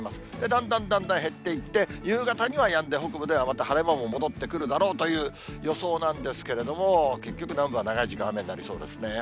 だんだんだんだん減っていって、夕方にはやんで、北部ではまた晴れ間も戻ってくるだろうという予想なんですけれども、結局、南部は長い時間雨になりそうですね。